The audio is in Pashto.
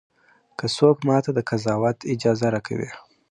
که څوک ماته د قضاوت اجازه راکوي.